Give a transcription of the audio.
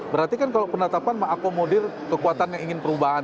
berarti kan kalau penetapan mengakomodir kekuatan yang ingin perubahan